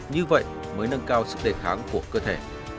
như vậy mới nâng cao sức đề kháng của cơ thể